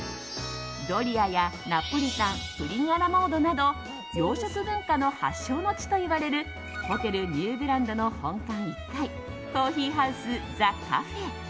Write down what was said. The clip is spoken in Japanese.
ドリアやナポリタンプリン・ア・ラ・モードなど洋食文化の発祥の地といわれるホテルニューグランドの本館１階コーヒーハウスザ・カフェ。